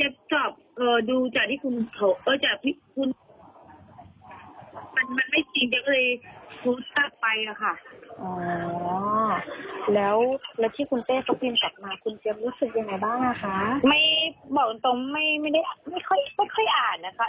บ่อยกลุ่มไม่เคยอ่านนะคะแล้วไม่ได้อ่านเลยค่ะ